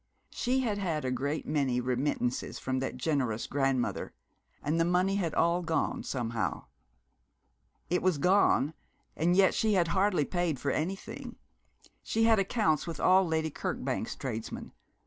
She had had a great many remittances from that generous grandmother; and the money had all gone, somehow. It was gone, and yet she had paid for hardly anything. She had accounts with all Lady Kirkbank's tradesmen.